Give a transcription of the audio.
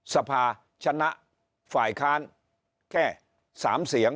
สภาชนะฝ่ายค้านแค่๓เสียง